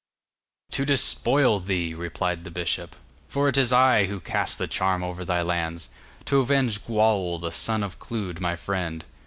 'To despoil thee,' replied the bishop, 'for it is I who cast the charm over thy lands, to avenge Gwawl the son of Clud my friend.